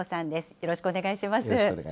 よろしくお願いします。